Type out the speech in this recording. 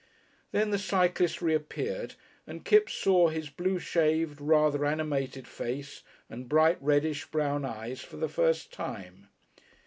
Then the cyclist reappeared and Kipps saw his blue shaved, rather animated face and bright reddish, brown eyes for the first time.